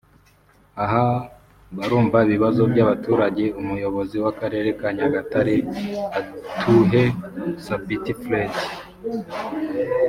Aha barumva ibibazo by’abaturage Umuyobozi w’Akarere ka Nyagatare Atuhe Sabiti Fred